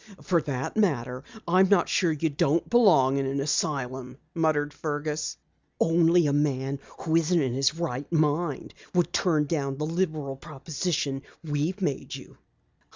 "For that matter, I'm not sure you don't belong in an asylum," muttered Fergus. "Only a man who isn't in his right mind would turn down the liberal proposition we've made you."